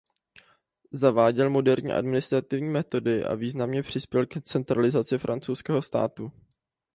Zaváděl moderní administrativní metody a významně přispěl k centralizaci francouzského státu.